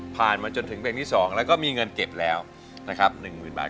ผ่านมาจนถึงเพลงที่สองแล้วก็มีเงินเก็บแล้วนะครับหนึ่งหมื่นบาท